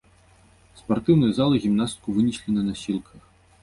З спартыўнай залы гімнастку вынеслі на насілках.